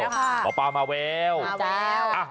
มาแล้วค่ะหมอปลามาแววมาแวว